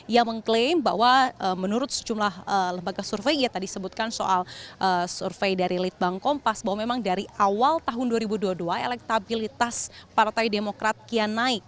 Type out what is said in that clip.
yang mengklaim bahwa menurut sejumlah lembaga survei ia tadi sebutkan soal survei dari litbang kompas bahwa memang dari awal tahun dua ribu dua puluh dua elektabilitas partai demokrat kian naik